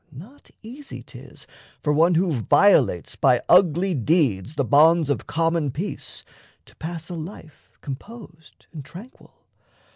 Not easy 'tis For one who violates by ugly deeds The bonds of common peace to pass a life Composed and tranquil.